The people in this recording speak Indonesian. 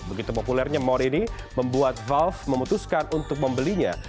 begitu populernya mode ini membuat valve memutuskan untuk membelinya